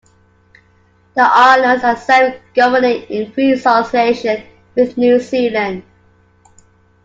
The islands are self-governing in "free association" with New Zealand.